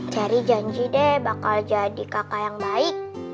cari janji deh bakal jadi kakak yang baik